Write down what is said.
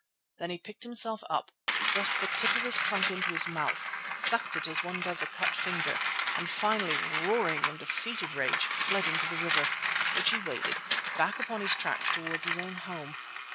Then he picked himself up, thrust the tip of his trunk into his mouth, sucked it as one does a cut finger, and finally, roaring in defeated rage, fled into the river, which he waded, and back upon his tracks towards his own home.